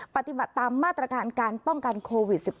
ปฏิบัติตามมาตรการการป้องกันโควิด๑๙